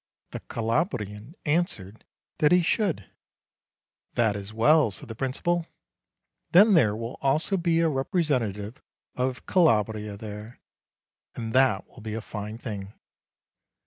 The Calabrian answered that he should. "That is well," said the principal; "then there will EVE OF THE FOURTEENTH 177 also be a representative of Calabria there; and that will be a fine thing.